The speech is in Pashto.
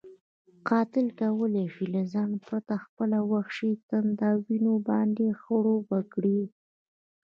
قاتل کولی شي له ځنډ پرته خپله وحشي تنده وینو باندې خړوبه کړي.